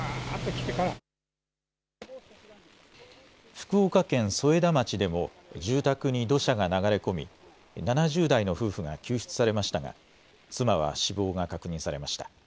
福岡県添田町でも、住宅に土砂が流れ込み、７０代の夫婦が救出されましたが、妻は死亡が確認されました。